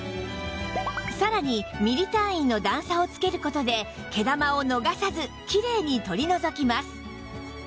さらにミリ単位の段差を付ける事で毛玉を逃さずキレイに取り除きます